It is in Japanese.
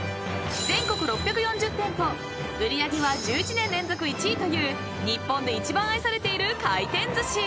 ［全国６４０店舗売り上げは１１年連続１位という日本で一番愛されている回転寿司］